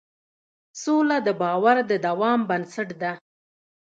سوله د باور د دوام بنسټ ده.